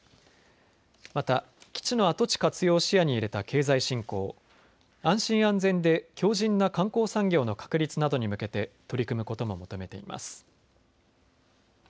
また、基地の跡地活用を視野に入れた経済振興、安心安全で強じんな観光産業の確立などに向けて取り組むことも求めています。